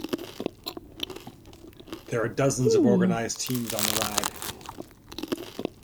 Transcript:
There are dozens of organized teams on the ride.